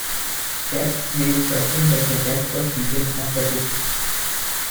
Kappes made certain that the death was retained 'off the books'.